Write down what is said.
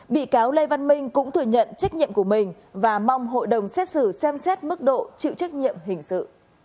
bị cáo lê văn minh cũng thừa nhận trách nhiệm của mình và mong hội đồng xét xử xem xét mức độ chịu trách nhiệm hình sự